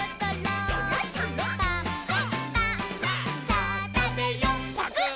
「さあたべよぱくっ」